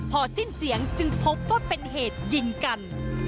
พอสิ้นเสียงจึงพบว่าเป็นเหตุยิงกัน